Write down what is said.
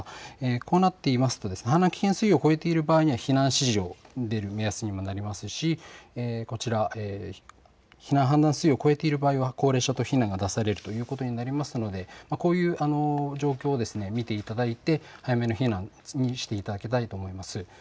こうなっていますと氾濫危険水位を超えていると避難指示が出る目安にもなりますし避難判断水位を超えている場合は高齢者等避難が出されることになりますのでこういう状況を見ていただいて早めの避難、意識していただきたいと思います。